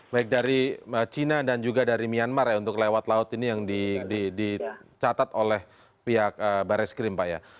baik dari china dan juga dari myanmar ya untuk lewat laut ini yang dicatat oleh pihak barreskrim pak ya